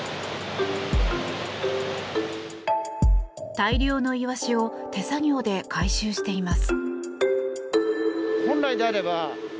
大量のイワシを手作業で回収しています。